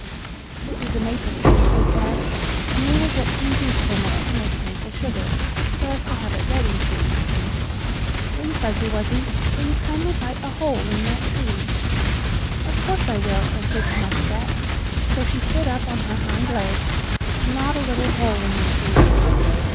"This is a maple tree," he said, "and we will get some juice from it to make maple sugar, so as to have it ready for Easter. Jane Fuzzy Wuzzy, will you kindly bite a hole in that tree?" "Of course I will," answered the muskrat, so she stood up on her hind legs, and gnawed a little hole in the tree.